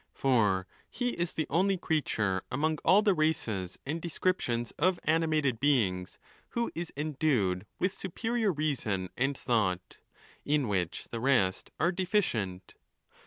for he is the only creature among all the races and descriptions of animated beings who is endued with superior reason and thought, in which the rest are deficient.